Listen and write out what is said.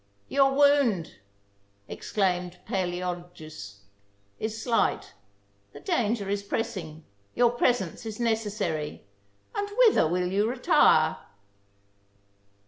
" Your wound," exclaimed Palaeologus, " is slight ; the danger is pressing; your presence is necessary; and whither will you retire